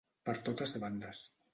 Per totes bandes.